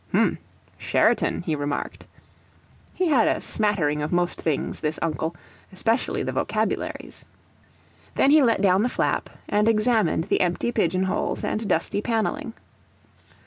"H'm! Sheraton!" he remarked. (He had a smattering of most things, this uncle, especially the vocabularies.) Then he let down the flap, and examined the empty pigeon holes and dusty panelling.